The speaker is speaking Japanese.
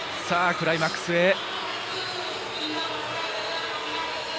さあ、クライマックスへ。